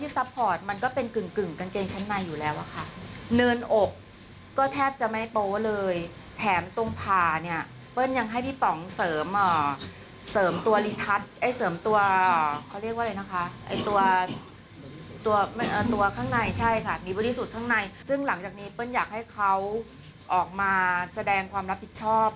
ซึ่งหลังจากนี้เปิ้ลอยากให้เขาออกมาแสดงความรับผิดชอบ